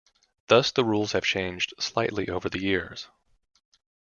Thus, the rules have changed slightly over the years.